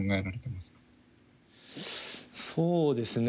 そうですね